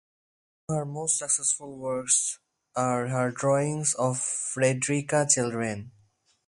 Among her most successful works are her drawings of Fredrika children.